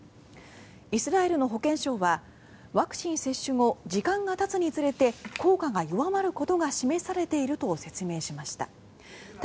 イスラエルの保健省はワクチン接種後時間がたつにつれて効果が弱まることが示されていると説明しました。